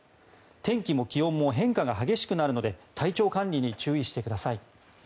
天気も気温も変化が激しくなるので体調管理に注意してください。